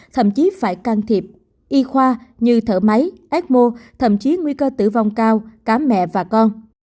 thậm chí phải can thiệp y khoa như thở máy ếc mô thậm chí nguy cơ tử vong cao cả mẹ và con